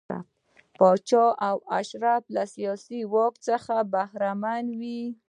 پاچا او اشراف له سیاسي واک څخه برخمن وي.